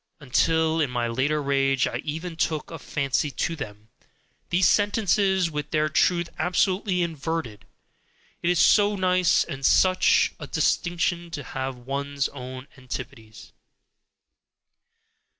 until in my later rage I even took a fancy to them, these sentences with their truth absolutely inverted! It is so nice and such a distinction to have one's own antipodes!